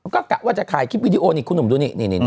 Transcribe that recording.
ก็กะว่าจะถ่ายคลิปวิดีโอนี่คุณหนุ่มดูนี่